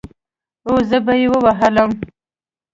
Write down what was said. او زه به يې ووهلم.